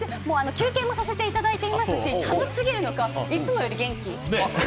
休憩もさせていただいてますし楽しすぎるのかいつもより元気。